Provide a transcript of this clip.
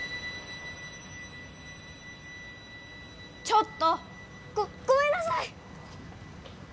ちょっと！ごごめんなさい！